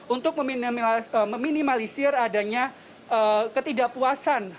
untuk meminimalisir adanya ketidakpuasan